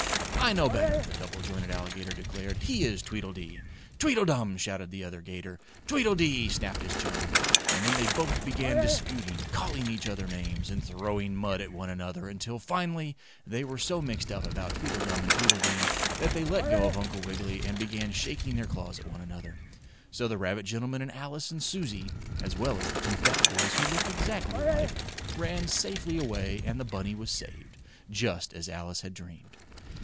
"I know better!" the double jointed alligator declared. "He is Tweedledee!" "Tweedledum!" shouted the other 'gator. "Tweedledee!" snapped his chum. And then they both began disputing, calling each other names, and throwing mud at one another, until, finally, they were so mixed up about Tweedledum and Tweedledee that they let go of Uncle Wiggily and began shaking their claws at one another, so the rabbit gentleman and Alice and Susie (as well as the two fat boys who looked exactly alike) ran safely away and the bunny was saved, just as Alice had dreamed.